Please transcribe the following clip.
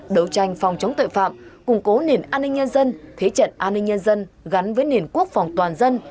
đấu tranh phòng chống tội phạm củng cố nền an ninh nhân dân thế trận an ninh nhân dân gắn với nền quốc phòng toàn dân